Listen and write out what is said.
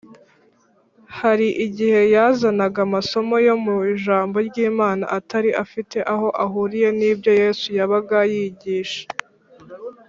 hari igihe yazanaga amasomo yo mu ijambo ry’imana atari afite aho ahuriye n’ibyo yesu yabaga yigisha